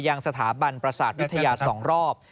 ยังสถาบันประสาทวิทยา๒รอบ